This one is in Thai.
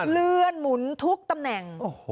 เลื่อนหมุนทุกตำแหน่ง